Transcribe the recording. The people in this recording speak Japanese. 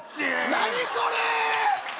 何それー！？